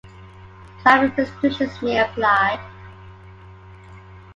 Climbing restrictions may apply.